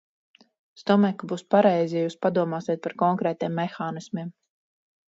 Es domāju, ka būs pareizi, ja jūs padomāsiet par konkrētiem mehānismiem.